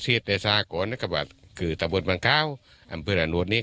เชษทรายสาวของนะครับว่าคือตะบดบางก้าวอำเพื่อนอ่านนวดนี้